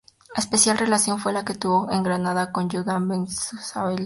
Especial relación fue la que tuvo, en Granada, con Yehudah Ben Samuel Halevi.